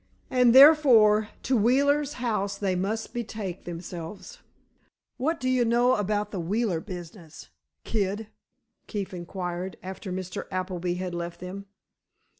And, therefore, to Wheeler's house they must betake themselves. "What do you know about the Wheeler business, kid?" Keefe inquired, after Mr. Appleby had left them.